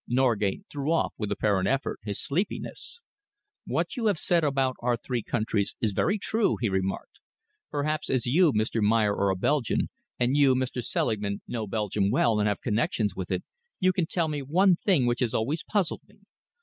Norgate threw off, with apparent effort, his sleepiness. "What you have said about our three countries is very true," he remarked. "Perhaps as you, Mr. Meyer, are a Belgian, and you, Mr. Selingman, know Belgium well and have connections with it, you can tell me one thing which has always puzzled me.